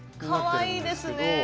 かわいいですね！